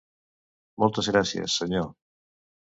Moltes gràcies, senyor.